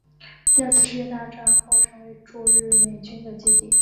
第二次世界大战后成为驻日美军的基地。